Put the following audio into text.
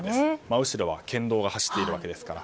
真後ろは県道が走っているわけですから。